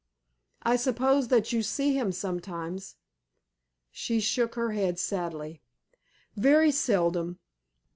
"I suppose that you see him sometimes?" She shook her head sadly. "Very seldom.